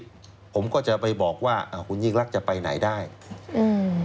ผมก็จะไปบอกว่าอ่าคุณยิ่งรักจะไปไหนได้อืม